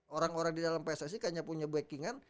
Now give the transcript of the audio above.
orang orang di dalam pssi hanya punya backingan